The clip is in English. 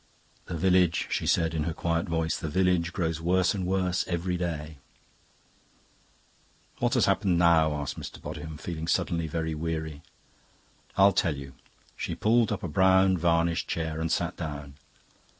"The village," she said in her quiet voice, "the village grows worse and worse every day." "What has happened now?" asked Mr. Bodiham, feeling suddenly very weary. "I'll tell you." She pulled up a brown varnished chair and sat down.